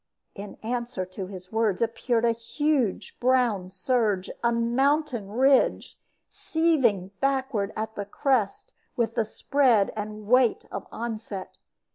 In answer to his words appeared a huge brown surge, a mountain ridge, seething backward at the crest with the spread and weight of onset.